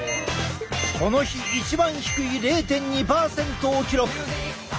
この日一番低い０．２％を記録。